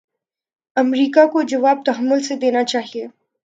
امریکہ کو جواب تحمل سے دینا چاہیے۔